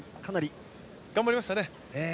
頑張りましたね。